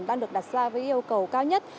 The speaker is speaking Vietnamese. đang được đặt ra với yêu cầu cao nhất